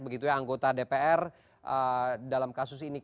begitu ya anggota dpr dalam kasus ini